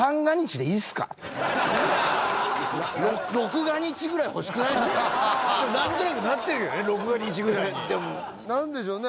でも何となくなってるけどね六が日ぐらいに何でしょうね